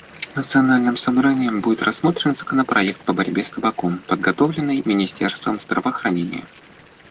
Национальным собранием будет рассмотрен законопроект по борьбе с табаком, подготовленный министерством здравоохранения.